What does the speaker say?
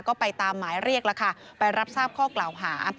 ก็ไปตามหมายเรียกแล้วค่ะไปรับทราบข้อกล่าวหา